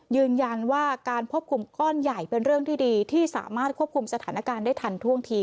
ยืนยันว่าการควบคุมก้อนใหญ่เป็นเรื่องที่ดีที่สามารถควบคุมสถานการณ์ได้ทันท่วงที